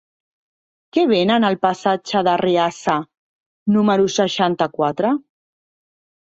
Què venen al passatge d'Arriassa número seixanta-quatre?